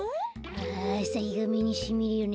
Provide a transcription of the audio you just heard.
ああさひがめにしみるね。